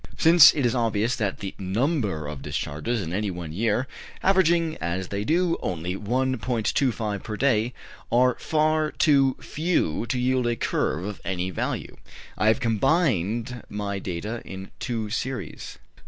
Since it is obvious that the number of discharges in any one year averaging, as they do, only 1.25 per day are far too few to yield a curve of any value, I have combined my data in two series.